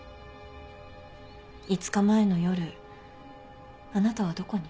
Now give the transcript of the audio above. ５日前の夜あなたはどこに？